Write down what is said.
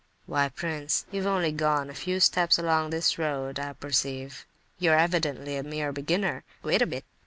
"Why, prince, you've only gone a few steps along this road, I perceive. You are evidently a mere beginner. Wait a bit!